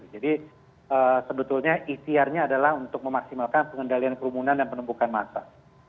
jadi sebetulnya istiarnya adalah untuk memaksimalkan pengendalian kerumunan dan penumpukan masak